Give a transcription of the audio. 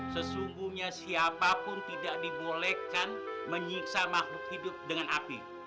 sesungguhnya siapapun tidak dibolehkan menyiksa makhluk hidup dengan api